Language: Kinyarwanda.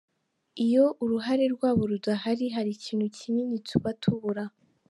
Iyo uruhare rwabo rudahari, hari ikintu kinini tuba tubura.